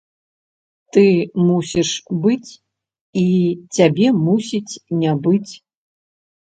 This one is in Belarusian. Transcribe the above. Ты мусіш быць і цябе мусіць не быць.